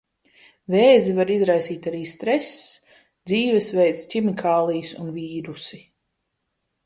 Vēzi var izraisīt arī stress, dzīvesveids, ķimikālijas un vīrusi.